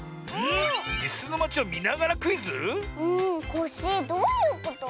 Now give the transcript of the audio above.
「いすのまち」をみながらクイズ⁉コッシーどういうこと？